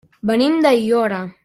Venim d'Aiora.